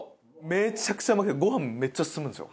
めちゃくちゃうまくてご飯もめっちゃ進むんですよ。